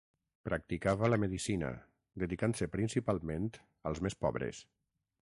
Practicava la medicina, dedicant-se principalment als més pobres.